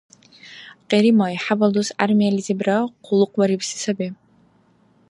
Къиримхай хӀябал дус гӀярмиялизибра къуллукъбарибси саби.